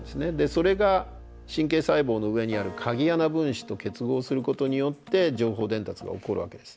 それが神経細胞の上にある鍵穴分子と結合することによって情報伝達が起こるわけです。